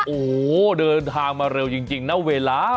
โอ้โหเดินทางมาเร็วจริงนะเวลา